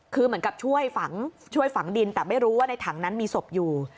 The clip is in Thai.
คือเหมือนกับช่วยฝังช่วยฝังดินแต่ไม่รู้ว่าในถังนั้นมีศพอยู่